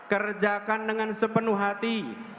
kerjakan dengan sepenuh hati